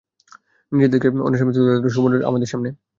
নিজের দেশকে অন্যের সামনে তুলে ধরার সুবর্ণ সুযোগ ছিল আমাদের সামনে।